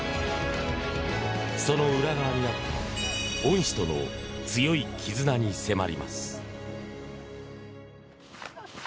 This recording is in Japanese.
その裏側にあった恩師との強い絆に迫ります。